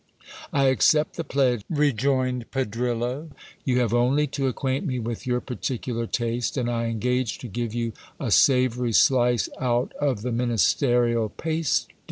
I accept the pledge, rejoined Pedrillo. You have only to ac quaint me with your particular taste, and I engage to give you a savoury slice out of the ministerial pasty.